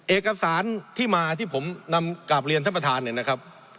เอกสารที่มาที่ผมนำกราบเรียนท่านประธานเนี่ยนะครับ